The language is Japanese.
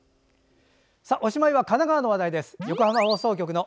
おしまいは神奈川の話題です。